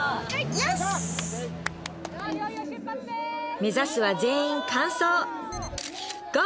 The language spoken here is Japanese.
目指すは全員完走Ｇｏ！